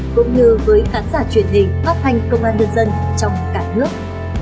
cũng như với khán giả truyền hình phát thanh công an nhân dân trong cả nước